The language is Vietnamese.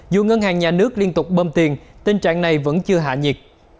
dù ngân hàng nhà nước liên tục bơm tiền tình trạng này vẫn chưa hạ nhiệt